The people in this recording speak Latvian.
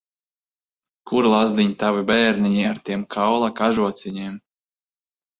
Kur, lazdiņ, tavi bērniņi, ar tiem kaula kažociņiem?